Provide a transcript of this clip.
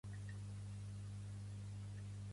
Un ésser intel·ligent no mata els altres éssers vius